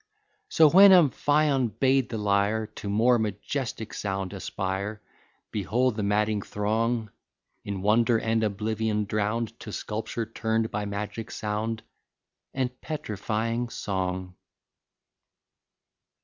So when Amphion bade the lyre To more majestic sound aspire, Behold the madding throng, In wonder and oblivion drown'd, To sculpture turn'd by magic sound And petrifying song.